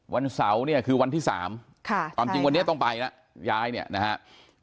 วันเสาร์เนี่ยคือวันที่๓ความจริงวันนี้ต้องไปแล้วย้ายเนี่ยนะครับ